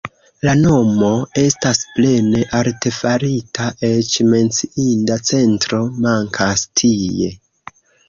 La nomo estas plene artefarita, eĉ menciinda centro mankas tie.